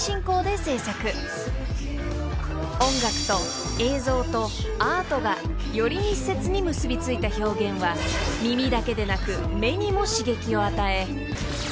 ［音楽と映像とアートがより密接に結び付いた表現は耳だけでなく目にも刺激を与え